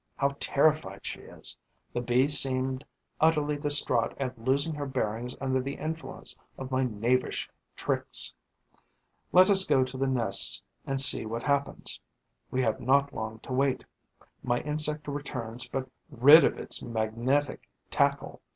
How terrified she is! The Bee seemed utterly distraught at losing her bearings under the influence of my knavish tricks. Let us go to the nests and see what happens. We have not long to wait: my insect returns, but rid of its magnetic tackle.